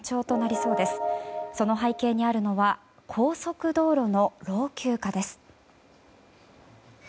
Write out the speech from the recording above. その背景にあるのが高速道路の老朽化です。